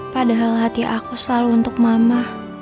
padahal hati aku selalu untuk mama